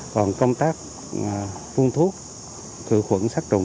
còn công tác phun thuốc cửa khuẩn sát trùng